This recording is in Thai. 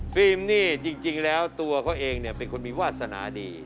ฟิล์มนี่จริงแล้วตัวเขาเองเป็นคนมีวาสนาดี